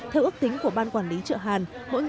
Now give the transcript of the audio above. theo ước tính của ban quản lý chợ hàn